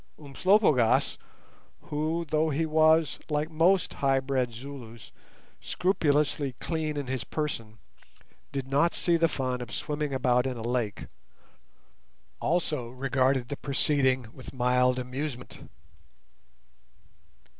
Umslopogaas, who, though he was, like most high bred Zulus, scrupulously cleanly in his person, did not see the fun of swimming about in a lake, also regarded the proceeding with mild amusement.